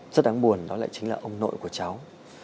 rất đáng buồn đó lại chính là ông nội của cháu